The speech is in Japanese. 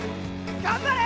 頑張れ！